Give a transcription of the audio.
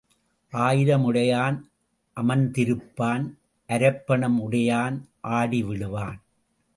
ஆயிரம் உடையான் அமர்ந்திருப்பான் அரைப்பணம் உடையான் ஆடி விழுவான்.